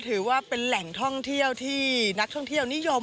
ถือว่าเป็นแหล่งท่องเที่ยวที่นักท่องเที่ยวนิยม